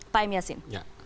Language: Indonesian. pak m yasin